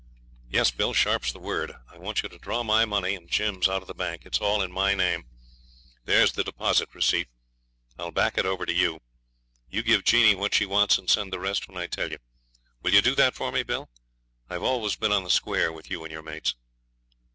'Yes, Bill, sharp's the word. I want you to draw my money and Jim's out of the bank; it's all in my name. There's the deposit receipt. I'll back it over to you. You give Jeanie what she wants, and send the rest when I tell you. Will you do that for me, Bill? I've always been on the square with you and your mates.'